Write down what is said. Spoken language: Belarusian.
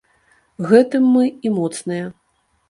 Гэтым мы і моцныя.